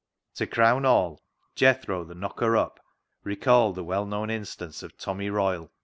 To crown all, Jethro, the knocker up, recalled the well known instance of Tommy Royle, who.